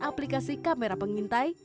aplikasi kamera pengintai